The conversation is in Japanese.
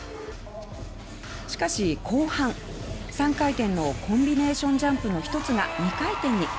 しかし、後半３回転のコンビネーションジャンプの一つが２回転に。